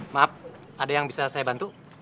maaf ada yang bisa saya bantu